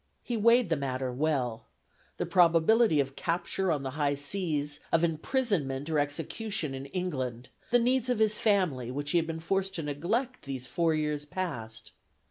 He weighed the matter well: the probability of capture on the high seas, of imprisonment or execution in England: the needs of his family, which he had been forced to neglect these four years past.